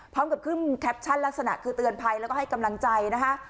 พร้อมกับขึ้นแคปชั่นลักษณะคือเตือนภัยแล้วก็ให้กำลังใจนะคะ